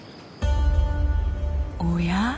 おや？